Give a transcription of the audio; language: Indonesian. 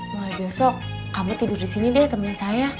mau hari besok kamu tidur disini deh temen saya